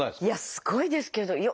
いやすごいですけど。